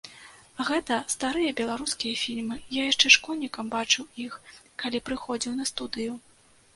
Гэта старыя беларускія фільмы, я яшчэ школьнікам бачыў іх, калі прыходзіў на студыю.